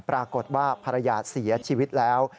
ปรากฏว่าภรรยาเสียชีวิตแล้ว